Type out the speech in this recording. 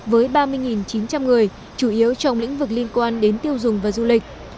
với ba mươi chín trăm linh người chủ yếu trong lĩnh vực liên quan đến tiêu dùng và du lịch